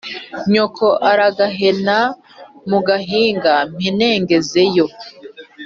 nyoko aragahen a mu gahinga mpen engeze yo